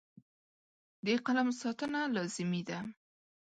د قلم ساتنه لازمي ده.